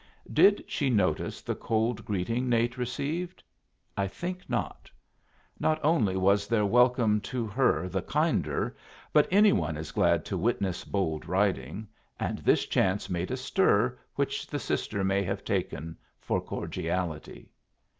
Did she notice the cold greeting Nate received? I think not. Not only was their welcome to her the kinder, but any one is glad to witness bold riding, and this chance made a stir which the sister may have taken for cordiality.